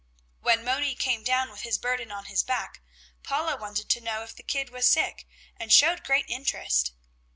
When Moni came down with his burden on his back, Paula wanted to know if the kid was sick, and showed great interest.